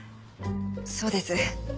そうです。